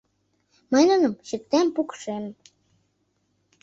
Мый нуным чиктем, пукшем.